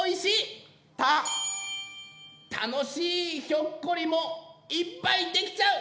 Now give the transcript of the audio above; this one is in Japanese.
楽しいひょっこりもいっぱいできちゃう！